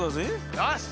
よし！